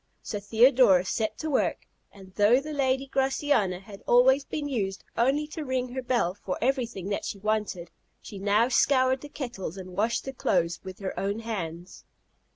So Theodorus set to work; and though the lady Graciana had always been used only to ring her bell for everything that she wanted, she now scoured the kettles and washed the clothes with her own hands.